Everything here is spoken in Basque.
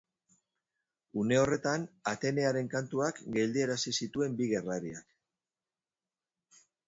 Une horretan Atenearen kantuak geldiarazi zituen bi gerlariak.